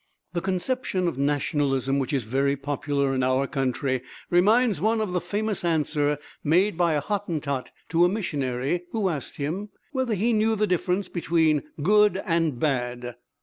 The conception of nationalism which is very popular in our country reminds one of the famous answer made by a Hottentot to a missionary, who asked him whether he knows the difference between good and bad.